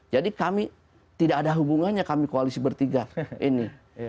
jadi kami tidak ada hubungannya kami koalisi bertiga ini